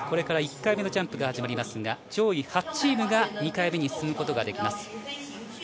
これから１回目のジャンプが始まりますが上位８チームが２回目に進むことができます。